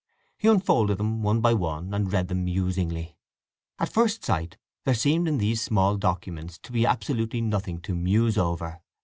He unfolded them one by one and read them musingly. At first sight there seemed in these small documents to be absolutely nothing to muse over.